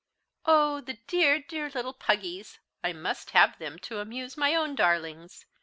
"Oh, the dear, dear little puggies! I must have them to amuse my own darlings.